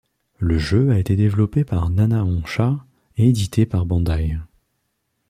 Le jeu a été développé par NanaOn-Sha et édité par Bandai.